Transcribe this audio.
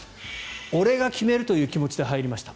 俺が決めるという気持ちで入りました